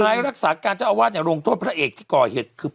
รักษาการเจ้าอาวาสเนี่ยลงโทษพระเอกที่ก่อเหตุคือ